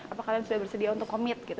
apakah kalian sudah bersedia untuk komit